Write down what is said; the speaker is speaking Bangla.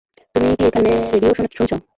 তুমি কি এখানে রেডিও শুনছো?